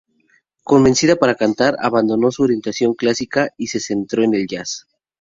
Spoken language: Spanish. Convencida para cantar, abandonó su orientación clásica y se centró en el jazz.